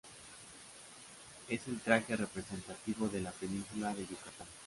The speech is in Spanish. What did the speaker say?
Es el traje representativo de la península de Yucatán.